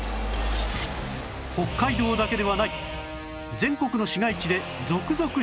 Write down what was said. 北海道だけではない